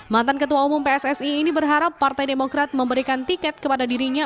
mantan ketua umum pssi ini berharap partai demokrat memberikan tiket kepada dirinya